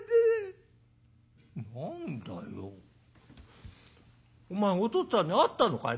「何だよお前おとっつぁんに会ったのかい？」。